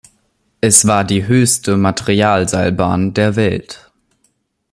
Es war die höchste Materialseilbahn der Welt.